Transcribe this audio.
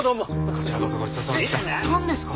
こちらこそごちそうさまでした。